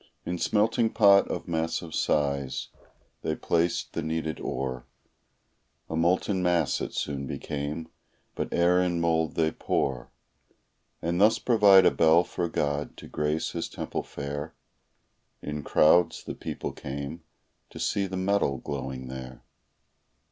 In smelting pot of massive size they placed the needed ore; A molten mass it soon became, but ere in mould they pour, And thus provide a bell for God to grace His temple fair, In crowds the people came, to see the metal glowing there.